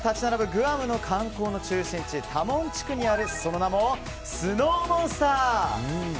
グアムの観光の中心地タモン地区にあるその名もスノーモンスター。